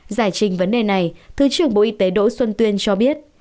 giải trình vấn đề này thứ trưởng bộ y tế đỗ xuân tuyên cho biết